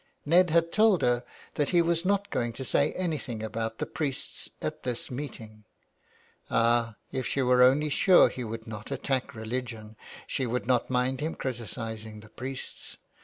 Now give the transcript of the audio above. Ned had told her that he was not going to say any thing about the priests at this meeting. Ah, if she were only sure he would not attack religion she would not mind him criticising the priests.